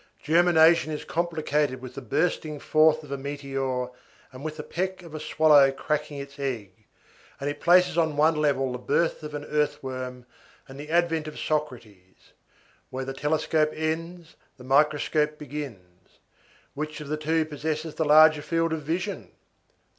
Germination is complicated with the bursting forth of a meteor and with the peck of a swallow cracking its egg, and it places on one level the birth of an earthworm and the advent of Socrates. Where the telescope ends, the microscope begins. Which of the two possesses the larger field of vision?